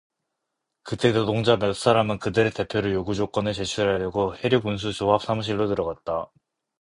그때 노동자 몇 사람은 그들의 대표로 요구조건을 제출하려고 해륙 운수 조합 사무실로 들어갔다.